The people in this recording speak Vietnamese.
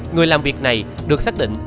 người làm việc này được xác định